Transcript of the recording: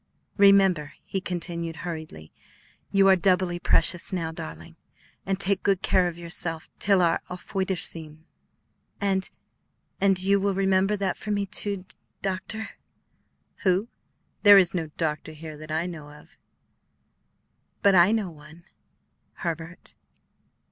"Remember," he continued hurriedly, "you are doubly precious now, darling, and take good care of yourself till our 'Auf Wiedersehn.'" "And and you will remember that for me too, D doctor?" "Who? There is no doctor here that I know of." "But I know one Herbert."